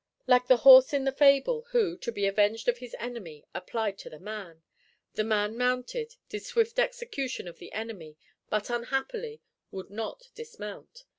Like the Horse in the Fable, who, to be avenged of his enemy, applied to the Man. The Man mounted; did swift execution on the enemy; but, unhappily, would not dismount!